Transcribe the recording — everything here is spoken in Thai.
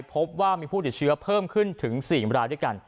พบว่ามีผู้ติดเชื้อเพิ่มขึ้นถึง๔รายด้วยกัน